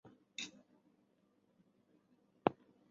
公共运输交汇处是香港唯一位于地底的巴士总站。